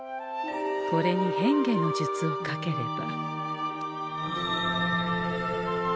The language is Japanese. これに変化の術をかければ。